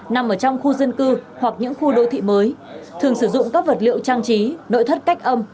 nằm ở trong khu dân cư hoặc những khu đô thị mới thường sử dụng các vật liệu trang trí nội thất cách âm